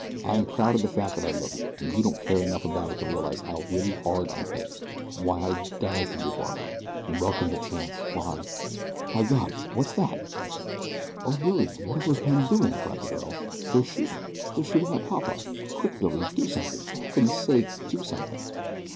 I'm proud of the fact that I love you; and you don't care enough about it to realize how really hard I'm hit why I'd die for you, Barbara, and welcome the chance; why My God! What's that?" "O Billy! What are those men doing?" cried the girl. "They're shooting. They're shooting at papa! Quick, Billy! Do something. For heaven's sake do something."